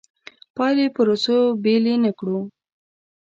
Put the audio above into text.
پایلې پروسو بېلې نه کړو.